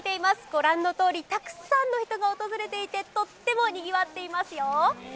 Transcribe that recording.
ご覧のとおり、たくさんの人たちが訪れていて、とってもにぎわっていますよ。